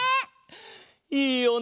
いいよな。